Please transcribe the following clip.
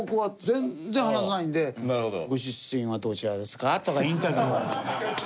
全然話さないんで「ご出身はどちらですか？」とかインタビューを。